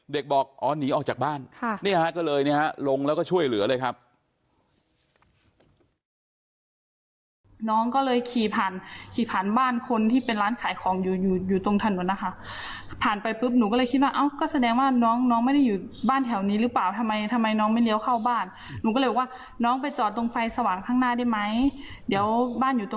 เด็กบอกหนีออกจากบ้านนี่เลยลงแล้วก็ช่วยเหลือเลยครับ